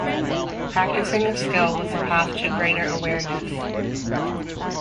Practicing a skill was a path to greater awareness.